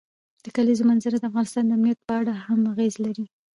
د کلیزو منظره د افغانستان د امنیت په اړه هم اغېز لري.